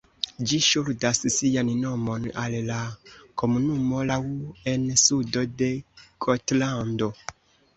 Ĝi ŝuldas sian nomon al la komunumo Lau en sudo de Gotlando.